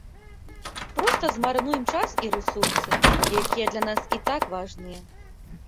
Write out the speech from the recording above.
Проста змарнуем час і рэсурсы, якія для нас і так важныя.